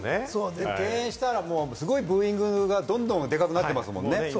敬遠したらすごくブーイングがどんどんでかくなってますもんね。